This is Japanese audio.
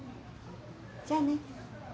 じゃあね。